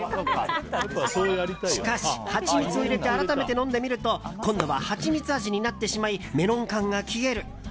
しかしハチミツを入れて改めて飲んでみると今度はハチミツ味になってしまいメロン感が消える。